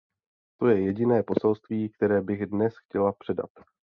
To je jediné poselství, které bych dnes chtěla předat.